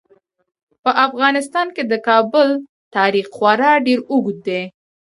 په افغانستان کې د کابل تاریخ خورا ډیر اوږد دی.